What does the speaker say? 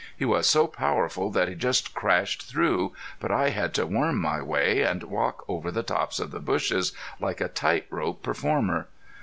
He was so powerful that he just crashed through, but I had to worm my way, and walk over the tops of the bushes, like a tight rope performer.